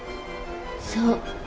そう。